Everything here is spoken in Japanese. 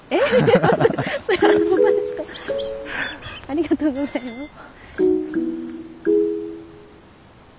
ありがとうございます。